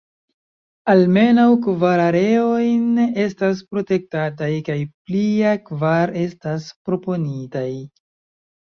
Almenaŭ kvar areojn estas protektataj kaj plia kvar estas proponitaj.